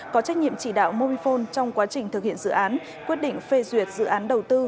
có trách nhiệm chỉ đạo monfone trong quá trình thực hiện dự án quyết định phê duyệt dự án đầu tư